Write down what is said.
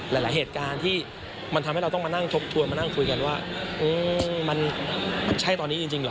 หลายเหตุการณ์ที่มันทำให้เรามาเรียกตัวมาคุยกันว่ามันใช่ตอนนี้จริงหรอ